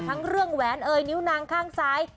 ทั้งเรื่องแหวนเอ่ยนิ้วนางข้างซ้าย